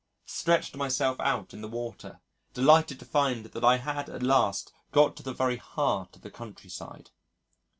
Stretched myself out in the water, delighted to find that I had at last got to the very heart of the countryside.